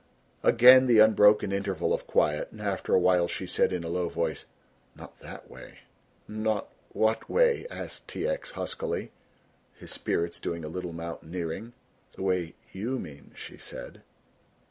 Again the unbroken interval of quiet and after a while she said in a low voice, "Not that way." "Not what way!" asked T. X. huskily, his spirits doing a little mountaineering. "The way you mean," she said.